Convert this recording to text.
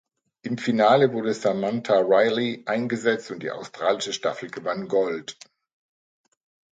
Im Finale wurde Samantha Riley eingesetzt und die australische Staffel gewann Gold.